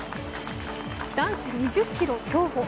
男子２０ｋｍ競歩。